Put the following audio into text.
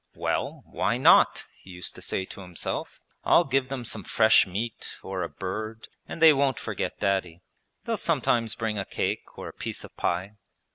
'Well, why not?' he used to say to himself. 'I'll give them some fresh meat, or a bird, and they won't forget Daddy: they'll sometimes bring a cake or a piece of pie.'